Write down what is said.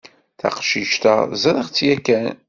Taqcict-a ẓriɣ-tt yakan.